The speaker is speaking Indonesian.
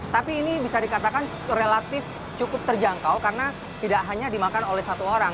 tapi ini bisa dikatakan relatif cukup terjangkau karena tidak hanya dimakan oleh satu orang